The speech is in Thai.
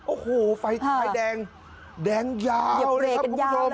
โอ้โหไฟแดงยาวเลยครับคุณผู้ชม